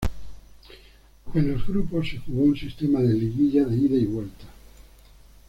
En los grupos se jugó un sistema de liguilla de ida y vuelta.